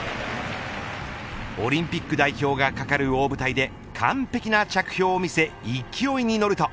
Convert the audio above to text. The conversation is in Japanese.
オリンピック代表が懸かる大舞台で完璧な着氷を見せ勢いに乗ると。